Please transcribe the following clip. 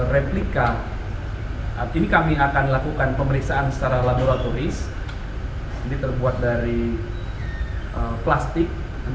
replika kini kami akan lakukan pemeriksaan secara laboratoris ini terbuat dari plastik